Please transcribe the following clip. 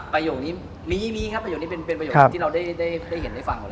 พะอยกนี้มีครับพะอยกนี้เป็นพะอยกที่เราได้เห็นได้ฟัง